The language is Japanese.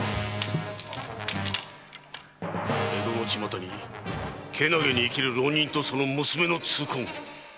江戸の巷にけなげに生きる浪人とその娘の痛恨。